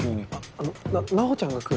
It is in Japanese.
あのな菜穂ちゃんが来る。